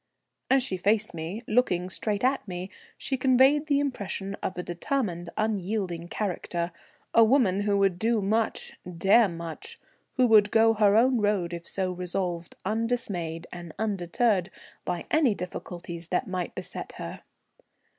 As she faced me, looking straight at me, she conveyed the impression of a determined unyielding character, a woman who would do much, dare much, who would go her own road if so resolved, undismayed and undeterred by any difficulties that might beset her.